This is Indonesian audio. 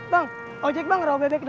bang ojek bang rawa bebek delapan